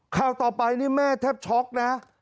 คราวต่อไปนี่แม่แทบช็อกนะครับ